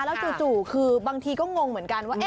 แล้วจู่คือบางทีก็งงเหมือนกันว่า